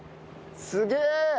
すげえ！